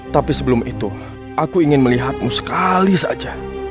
tapi sebelum itu aku ingin melihatmu sekali saja